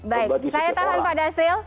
baik saya tahan pak dasril